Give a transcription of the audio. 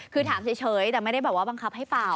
คือถามเฉยแต่ไม่ได้บังคับให้เป่า